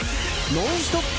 ノンストップ！